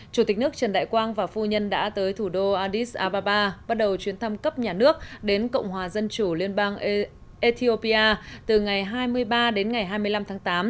chủ tịch nước trần đại quang và phu nhân đã tới thủ đô adis ababa bắt đầu chuyến thăm cấp nhà nước đến cộng hòa dân chủ liên bang ethiopia từ ngày hai mươi ba đến ngày hai mươi năm tháng tám